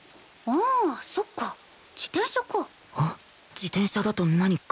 自転車だと何か？